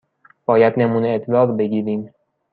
باید نمونه ادرار بگیریم.